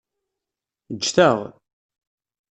Ǧǧet-aɣ.